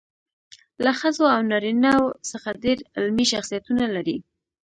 له ښځو او نارینه وو څخه ډېر علمي شخصیتونه لري.